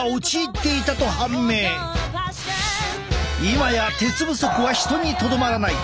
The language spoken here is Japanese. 今や鉄不足は人にとどまらない。